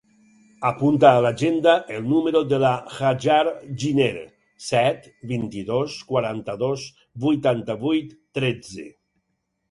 Apunta a l'agenda el número de la Hajar Giner: set, vint-i-dos, quaranta-dos, vuitanta-vuit, tretze.